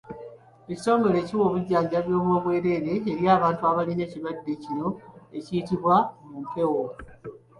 Ekitongole kiwa obujjanjabi obw'obwereere eri abantu abalina ekirwadde kino ekiyita mu mpewo.